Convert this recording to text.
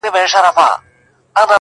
ستا د هستې شهباز به ونڅوم-